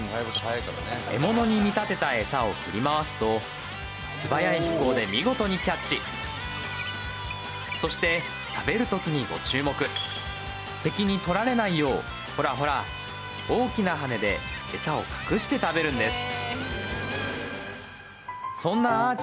獲物に見立てたエサを振り回すと素早い飛行で見事にキャッチそして食べる時にご注目敵にとられないようほらほら大きな羽でエサを隠して食べるんです